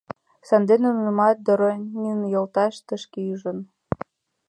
Сандене нунымат Доронин йолташ тышке ӱжын.